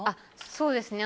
そうですね。